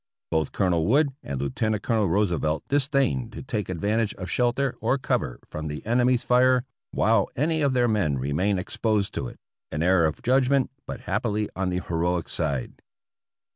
Both Colonel Wood and Lieutenant Colonel Roosevelt disdained to take advantage of shelter or cover from the enemy's fire while 300 APPENDIX E any of their men remained exposed to it — an error of judg ment, but happily on the heroic side.